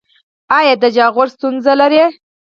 ایا د جاغور ستونزه لرئ؟